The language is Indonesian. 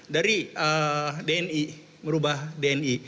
dari dni merubah dni